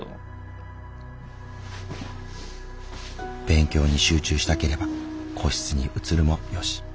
勉強に集中したければ個室に移るもよし。